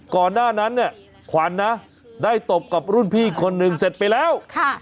ก่อนหน้านั้นเนี่ยขวัญนะได้ตบกับรุ่นพี่คนหนึ่งเสร็จไปแล้ว